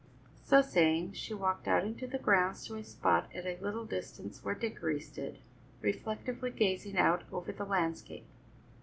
So saying, she walked out into the grounds to a spot at a little distance where Dickory stood, reflectively gazing out over the landscape.